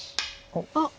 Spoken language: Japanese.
あっ。